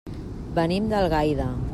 Venim d'Algaida.